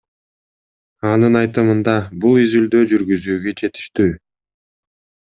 Анын айтымында, бул изилдөө жүргүзүүгө жетиштүү.